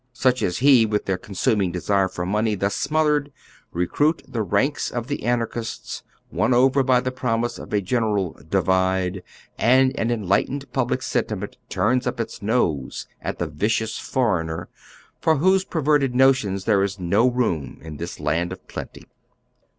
Sucli as he, with their consuming desire for money thus smothered, re cruit the ranks of the anarchists, won over by the prom ise of a general " divide ;" and an enlightened public sentiment turns up its nose at the vicious foreigner for whose perverted notions there is no room in tliis land of plenty.